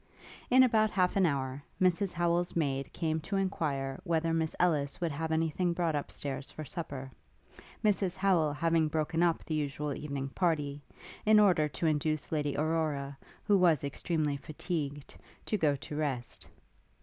In about half an hour, Mrs Howel's maid came to enquire whether Miss Ellis would have any thing brought up stairs for supper; Mrs Howel having broken up the usual evening party, in order to induce Lady Aurora, who was extremely fatigued, to go to rest.